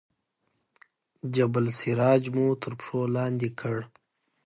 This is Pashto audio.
جبل السراج مو تر پښو لاندې کړ.